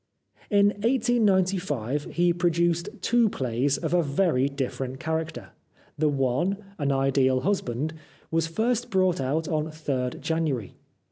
In 1895 he produced two plays of a very different character. The one, " An Ideal Husband," was first brought out on 3rd January.